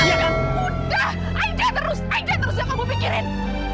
aida terus yang kamu pikirin